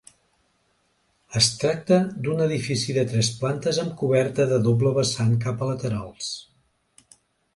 Es tracta d'un edifici de tres plantes amb coberta de doble vessant cap a laterals.